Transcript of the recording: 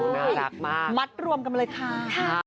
น่ารักมากค่ะมัดรวมกันเลยค่ะค่ะ